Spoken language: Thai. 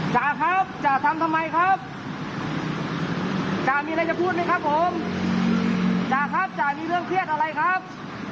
จ๋าครับจ๋าทำทำไมครับจ๋ามีอะไรจะพูดไหมครับผมจ๋าครับจ๋ามีเรื่องเครียดอะไรครับ